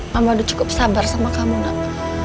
mama udah cukup sabar sama kamu nak